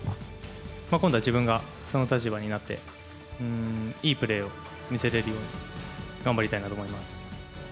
今度は自分がその立場になって、いいプレーを見せれるように頑張